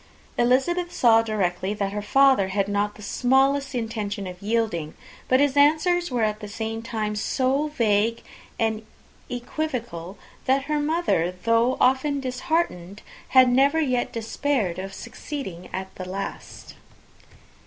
Elizabeth saw directly that her father had not the smallest intention of yielding; but his answers were at the same time so vague and equivocal, that her mother, though often disheartened, had never yet despaired of succeeding at last.